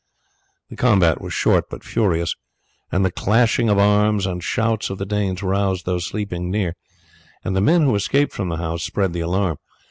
The combat was short but furious, and the clashing of arms and shouts of the Danes roused those sleeping near, and the men who escaped from the house spread the alarm.